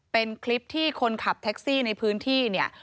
เป็นคลิปที่คนขับแท็กซี่ในพื้นที่เนี่ย